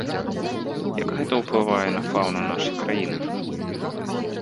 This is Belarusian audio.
Як гэта ўплывае на фаўну нашай краіны?